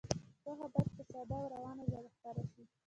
پوهه باید په ساده او روانه ژبه خپره شي.